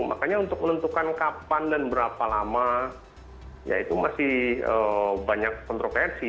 makanya untuk menentukan kapan dan berapa lama ya itu masih banyak kontroversi